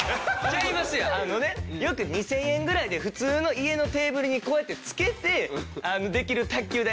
あのねよく２０００円ぐらいで普通の家のテーブルにこうやって付けてできる卓球台